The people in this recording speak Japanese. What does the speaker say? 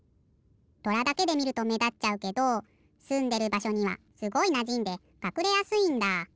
とらだけでみるとめだっちゃうけどすんでるばしょにはすごいなじんでかくれやすいんだ。